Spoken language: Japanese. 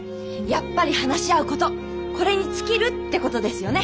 やっぱり話し合うことこれに尽きるってことですよね。